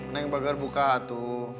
neng bager buka atuh